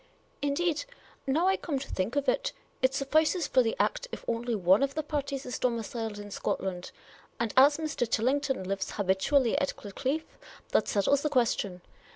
" Indeed, now I come to think of it, it suffices for the Act if one only of the parties is domiciled in Scotland. And as Mr. Tillington lives habitually at Gledcliffe, that settles the question.